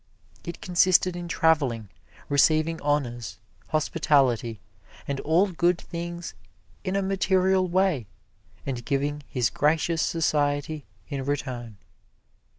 It consisted in traveling, receiving honors, hospitality and all good things in a material way, and giving his gracious society in return.